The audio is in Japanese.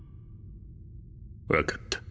分かった。